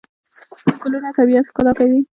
ګلونه طبیعت ښکلا کوي.